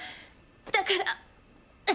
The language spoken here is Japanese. だから。